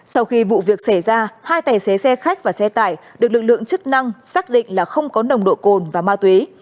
sau khi vụ việc xảy ra hai tài xế xe khách và xe tải được lực lượng chức năng xác định là không có nồng độ cồn và ma túy